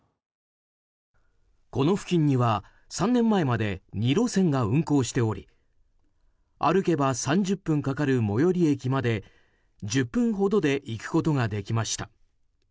この付近には３年前まで２路線が運行しており歩けば３０分かかる最寄り駅まで１０分ほどで行くことができました。